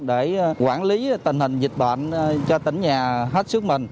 để quản lý tình hình dịch bệnh cho tỉnh nhà hết sức mình